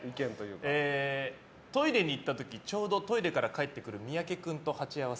トイレに行った時ちょうどトイレから帰ってくる三宅君と鉢合わせ。